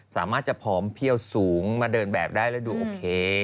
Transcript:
สามารถจะผอมเพี่ยวสูงมาเดินแบบได้แล้วดูโอเค